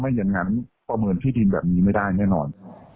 อย่างนั้นประเมินที่ดินแบบนี้ไม่ได้แน่นอน